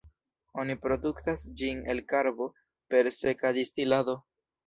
Oni produktas ĝin el karbo per seka distilado.